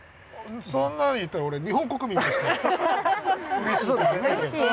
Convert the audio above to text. そんなん言ったら俺日本国民として。うれしいけどね。